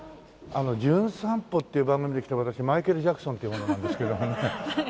『じゅん散歩』っていう番組で来た私マイケル・ジャクソンっていう者なんですけどもね。